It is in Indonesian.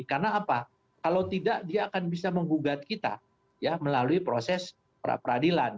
karena apa kalau tidak dia akan bisa menggugat kita ya melalui proses peradilan